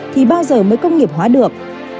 thì bao giờ mới công nghiệp hóa được